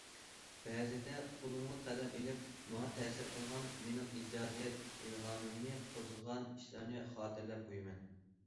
بەزىدە قولۇمغا قەلەم ئېلىپ ماڭا تەسىر قىلغان، مېنىڭ ئىجادىيەت ئىلھامىمنى قوزغىغان ئىشلارنى خاتىرىلەپ قويىمەن.